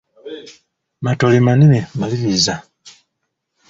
Matole manene, maliriza.